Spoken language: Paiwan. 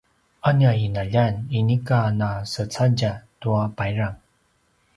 a nia ’inaljan inika nasecadja tua payrang